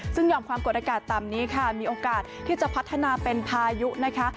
ซึ่งยอมความกดอากาศต่ำนี้ค่ะมีโอกาสที่จะพัฒนาเป็นพายุนะคะ